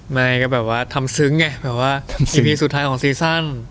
ไม่ก็แบบว่าทำซึ้งไงแบบว่าอีพีสุดท้ายของซีซั่น